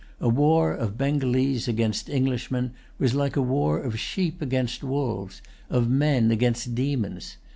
A war of Bengalese against Englishmen was like a war of sheep against wolves, of men against demons.